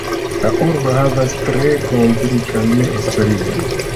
La urbo havas tre komplikan historion.